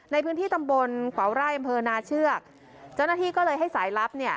ในพื้นที่ตำบลขวาวไร่อำเภอนาเชือกเจ้าหน้าที่ก็เลยให้สายลับเนี่ย